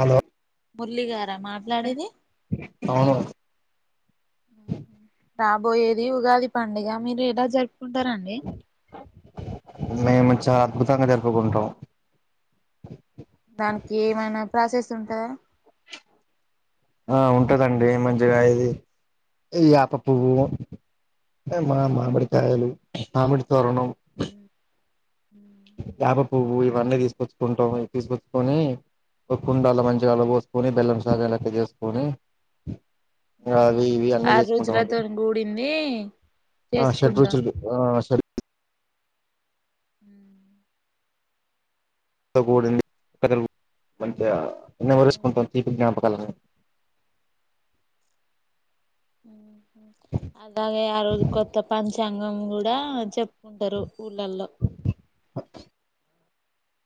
Hello మురళిగార మాట్లాడేది? అవును. రాబోయేది ఉగాది పండుగ. మీరెలా జరుప్ కుంటారండి? చాల అద్భుతంగ జరుపుకుంటాం. దానికి ఏమైనా ప్రాసెస్ ఉంటదా? ఆ ఉంటదండి మంచిగా, ఇది యాప పువ్వు, మా మామిడికాయలు, మామిడి తోరణం, ఆ యాప పువ్వు ఇవన్నీ తీసుకొచ్చుకుంటాం. ఇ తీసుకొచ్చుకొని, ఓ కుండాల మంచిగ అల పోసుకొని, బెల్లంసాగ లెక్క చేసుకొని, ఇంగ అవి ఇవి అన్నీ ఆరు చేసుకుంటాం అండి. రోజులతో కూడింది ఆ షడ్ చేసుకుంటాం రుచులు ఆ షడ్ మ్ తక్కువ పడింది తకరువు మంచిగా నెమరేసుకుంటాం. తీపి జ్ఞాపకాలన్ని. [inaudible] అలాగే ఆ రోజు కొత్త పంచాంగం కూడ చెప్ ఉంటరు ఊళ్ళల్ల.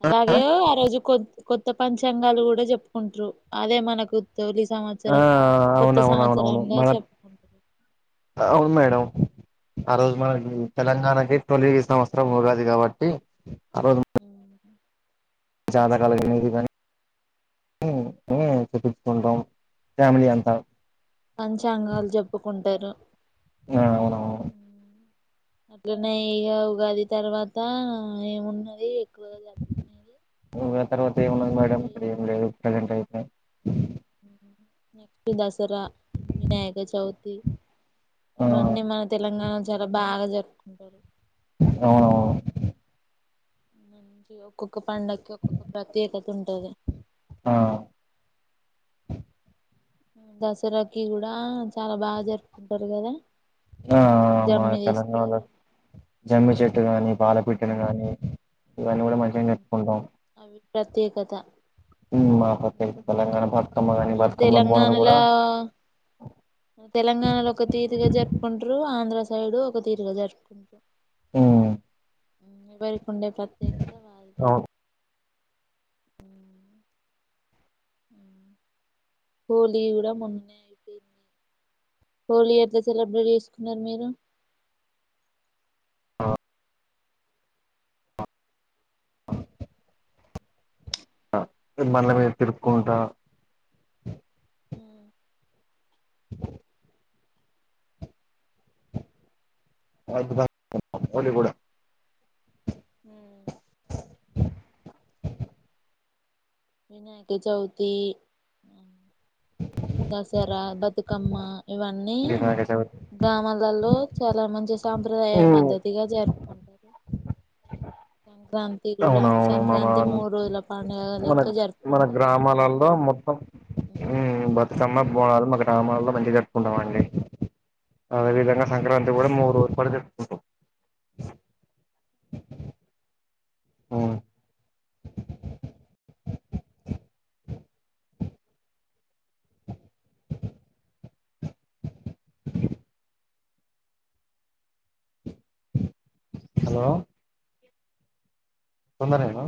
అలాగే ఆ రోజు కొత్ కొత్త పంచాంగాలు కూడ చెప్పుకుంటరు. అదే మనకు తొలి ఆ సంవత్సరం. కొత్త అవునవునవునవును సంవత్సరంగా మన చెప్పుకున్ అవును మేడం. ఆ రోజు మనకి తెలంగాణకి తొలి సంవత్సరం ఉగాది కాబట్టి, ఆ రోజు మ జాతకాలు గానీ, ఇవి గానీ, ఇ ఈ చెప్పించుకుంటాం. ఫ్యామిలీ అంతా. పంచాంగాలు చెప్పుకుంటరు. ఆ అవునవును అట్లనే ఇగ ఉగాది తర్వాత ఏమున్నది, ఎక్కువగా జరుపుకునేది ఉగాది తర్వాత ఏం ఏమున్నది మేడం? ఏం లేదు ప్రజెంట్ అయితే. నక్స్ట్ దసరా వినాయక చౌతి ఆ ఇవన్నీ మన తెలంగాణ చాల బాగ జరుపుకుంటారు. ఆ మంచిగ ఒకో. క్క పండక్కి ఒక్కొక్క ప్రత్యేకత ఉంటది. ఆ దసరాకి కూడ చాల బా జరుపుకుంటారు కదా! ఆ మా జమ్మి తెలంగాణలో తీస్తారు. జమ్మి చెట్టు గాని, పాల పిట్టనీ గాని, ఇవన్నీ కూడ మంచిగనే జరుపుకుంటాం. అవి ప్రత్యేకత. ఉమ్ మా పాటే తెలంగాణ భాష. తెలంగాణల తెలంగాణలో ఒక తీరుగా జెర్పుకుంటారు. ఆంధ్రా సైడ్ ఒక తీరుగా జరుపుకుంటారు. ఉమ్ ఎవరికి ఉండే ప్రత్యేకత వారిదే, అవును ఉమ్ హోలీ గూడా మొన్ననే అయిపోయింది హోలీ ఎట్లా సెలబ్రేట్ చేసుకున్నారు మీరు ఆ [inaudible] బండ్ల మీద తిరుపుకుంటా ఉమ్ [unintelligible] [unintelligible] హోలీ గూడా వినాయక చవితి దసరా, బతుకమ్మ ఇవన్నీ వినాయక చవితి గ్రామాలలో చాలా మంచి సాంప్రదాయ ఉమ్ పద్ధతిగా జరుపుకుంటారు. సం క్రాంతి గూడా అవునవును మన సంక్రాంతి మూడు రోజుల పండుగ మన లెక్క మన జరుపుకుంటారు. గ్రామాలలో ఉమ్ సమ్మ బోనాలు మా గ్రామాలలో మంచిగా జరుపుకుంటామండి. అదే విధంగా సంక్రాంతి గూడా మూడు రోజు పాటు జెరుపుకుంటాం. అ. [inaudible] ఉమ్ హలో తొందరేనా